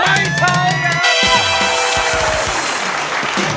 ไม่ใช่ครับ